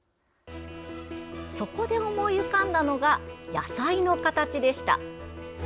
そこで思い浮かんだのが野菜の形でした。